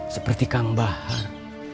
seperti kang bahar